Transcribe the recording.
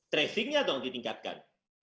tracingnya dong ditingkatkan